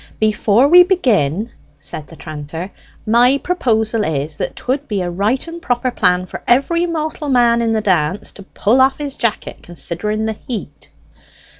"Before we begin," said the tranter, "my proposal is, that 'twould be a right and proper plan for every mortal man in the dance to pull off his jacket, considering the heat."